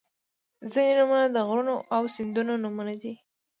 • ځینې نومونه د غرونو او سیندونو نومونه دي.